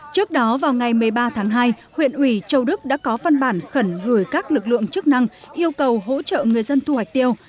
trước đó vào ngày một mươi ba tháng hai huyện ủy châu đức đã có phân bản khẩn gửi các lực lượng chức năng yêu cầu hỗ trợ người dân thu hoạch tiêu